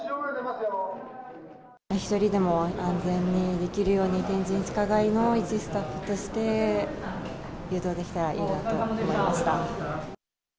１人でも安全にできるように、天神地下街の一スタッフとして、誘導できたらいいなと思いました。